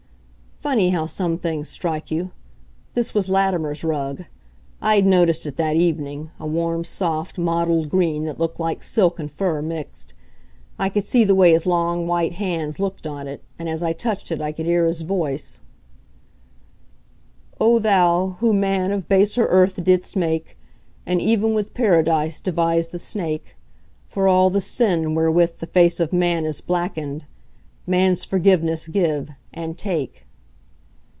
Funny, how some things strike you! This was Latimer's rug. I had noticed it that evening a warm, soft, mottled green that looked like silk and fur mixed. I could see the way his long, white hands looked on it, and as I touched it I could hear his voice Oh, Thou, who Man of baser Earth didst make, And ev'n with Paradise devise the Snake: For all the Sin wherewith the Face of Man Is blacken'd Man's forgiveness give and take!